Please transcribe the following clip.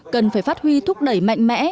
cần phải phát huy thúc đẩy mạnh mẽ